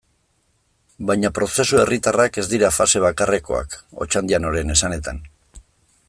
Baina prozesu herritarrak ez dira fase bakarrekoak, Otxandianoren esanetan.